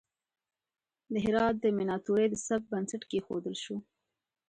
د هرات د میناتوری د سبک بنسټ کیښودل شو.